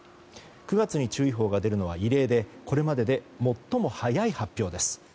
９月に注意報が出るのは異例でこれまでで最も早い発表です。